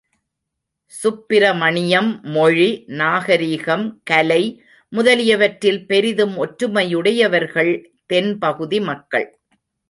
சுப்பிரமணியம் மொழி, நாகரிகம், கலை முதலியவற்றில் பெரிதும் ஒற்றுமையுடையவர்கள் தென் பகுதி மக்கள்.